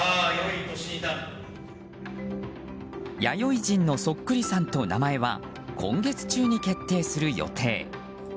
弥生人のそっくりさんと名前は今月中に決定する予定。